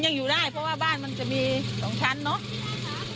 ยังอยู่ได้เพราะว่าบ้านมันจะมีสองชั้นเนอะ